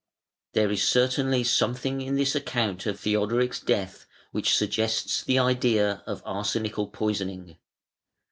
] There is certainly something in this account of Theodoric's death which suggests the idea of arsenical poisoning.